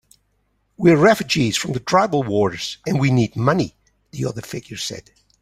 "We're refugees from the tribal wars, and we need money," the other figure said.